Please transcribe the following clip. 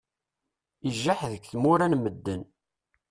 Ijaḥ deg tmura n medden.